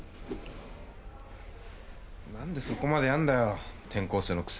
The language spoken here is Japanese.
何でそこまでやんだよ転校生のくせに。